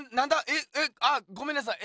ええあごめんなさい！